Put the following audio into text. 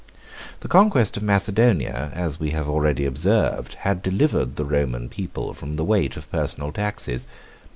The conquest of Macedonia, as we have already observed, had delivered the Roman people from the weight of personal taxes.